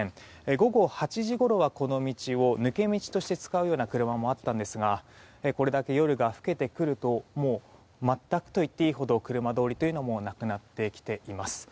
午後８時ごろはこの道を抜け道として使うような車もあったんですがこれだけ夜が更けてくるともう全くと言っていいほど車通りはなくなってきています。